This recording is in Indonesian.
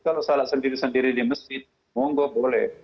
kalau salah sendiri sendiri di masjid monggo boleh